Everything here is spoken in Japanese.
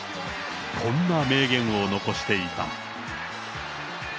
こんな名言を残していた。